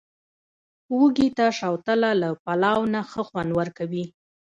وږي ته، شوتله له پلاو نه ښه خوند ورکوي.